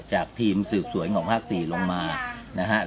ทีมสืบสวนของภาค๔ลงมานะครับ